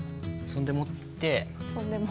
そんでもって。